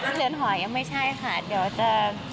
เรือนหอยยังไม่ใช่ค่ะเดี๋ยวจะ